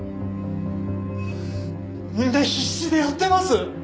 みんな必死でやってます！